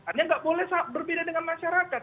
tidak boleh berbeda dengan masyarakat